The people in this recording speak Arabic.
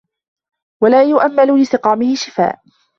وَلَا يُؤَمِّلُ لِسَقَامِهِ شِفَاءً